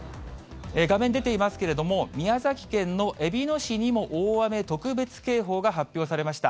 画面出ていますけれども、宮崎県のえびの市にも大雨特別警報が発表されました。